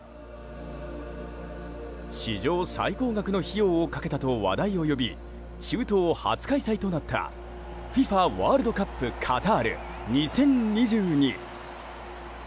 史上最高額の費用をかけたと話題を呼び、中東初開催となったＦＩＦＡワールドカップカタール２０２２。